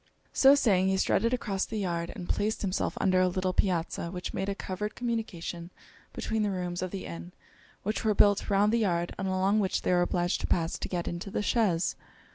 So saying, he strutted across the yard, and placed himself under a little piazza which made a covered communication between the rooms of the inn which were built round the yard, and along which they were obliged to pass to get into the chaise.